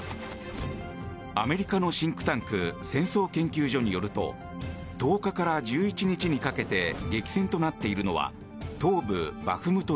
アメリカのシンクタンク戦争研究所によると１０日から１１日にかけて激戦となっているのは東部バフムト